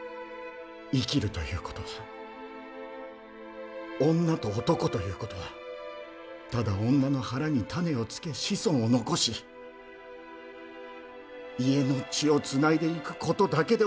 生きるということは女と男ということはただ女の腹に種をつけ子孫を残し家の血をつないでいくことだけではありますまい！